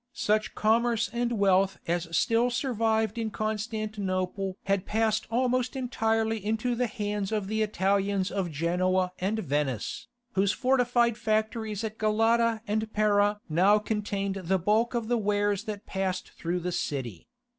Such commerce and wealth as still survived in Constantinople had passed almost entirely into the hands of the Italians of Genoa and Venice, whose fortified factories at Galata and Pera now contained the bulk of the wares that passed through the city.